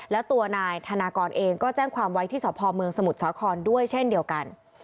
แล้วตัวนายธนากรเองก็แจ้งความไว้ที่สพเมืองสมุทรสาครด้วยเช่นเดียวกัน